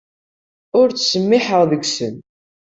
Ur ttsemmiḥeɣ deg-sen.